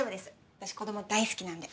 私子ども大好きなんで。